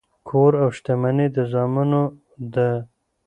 کور او شتمني د زامنو ده.